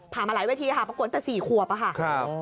ผ่ามาหลายวิธีอ่ะค่ะประกวดแต่สี่ขวบอ่ะค่ะครับ